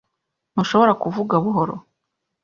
Ntushobora kuvuga buhoro?